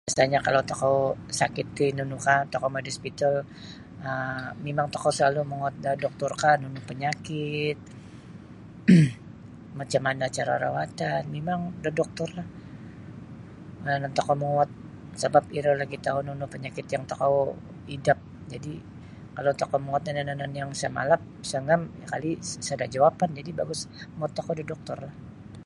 [unintelligible] kalau tokou sakit ti nunukah tokou mongoi da hospital um mimang tokou salalu' manguwot da doktorkah nunu panyakit um macam mana' cara rawatan mimang da doktorlah yanan tokou monguwot sabap iro lagi tau nunu panyakit yang tokou idap jadi' kalau tokou muwot da yanan-yanan yang sa' malap sa' ngam kali' sada' jawapan jadi' bagus muwot tokou da doktorlah.